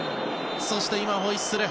そして、ホイッスル。